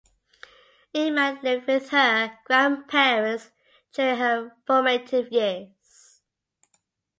Iman lived with her grandparents during her formative years.